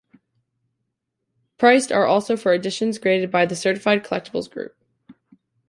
Priced are also for editions graded by the Certified Collectibles Group.